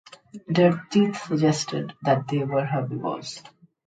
Their teeth suggest that they were herbivores.